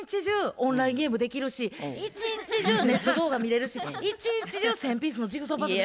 オンラインゲームできるし一日中ネット動画見れるし一日中１，０００ピースのジグソーパズル。